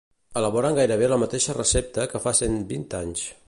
Elaboren gairebé la mateixa recepta que fa cent vint anys.